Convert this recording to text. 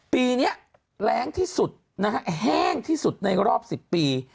ปีนี้แรงที่สุดนะฮะแห้งที่สุดในรอบ๑๐ปี